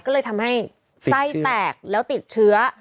ก็เลยทำให้ไส้แตกแล้วติดเชื้อ